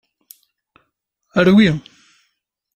Rwi.